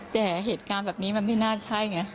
แต่เหตุการณ์แบบนี้มันไม่น่าใช่ไง